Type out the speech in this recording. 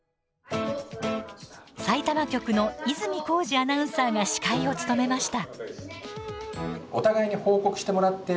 さいたま局の泉浩司アナウンサーが司会を務めました。